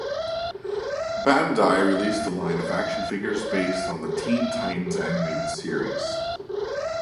Bandai released a line of action figures based on the "Teen Titans" animated series.